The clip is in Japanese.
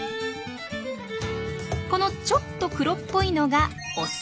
このちょっと黒っぽいのがオス。